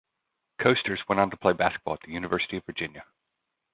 Koesters went on to play basketball at the University of Virginia.